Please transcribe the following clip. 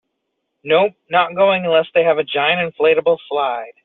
Nope, not going unless they have a giant inflatable slide.